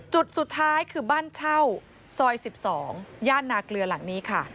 จุดสุดท้ายคือบ้านเช่าซอย๑๒ย่านนาเกลือหลังนี้ค่ะ